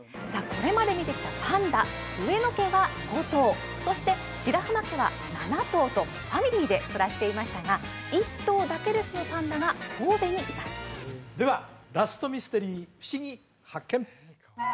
これまで見てきたパンダ上野家は５頭そして白浜家は７頭とファミリーで暮らしていましたが１頭だけ別のパンダが神戸にいますではラストミステリーふしぎ発見！